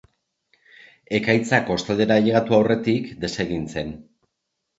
Ekaitza kostaldera ailegatu aurretik desegin zen.